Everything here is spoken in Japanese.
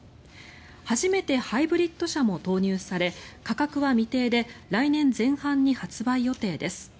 初めてハイブリッド車も投入され価格は未定で来年前半に発売予定です。